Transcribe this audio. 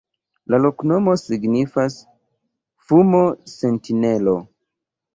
La loknomo signifas: fumo-sentinelo.